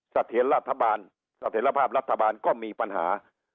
เสถียรรัฐบาลเสถียรภาพรัฐบาลก็มีปัญหา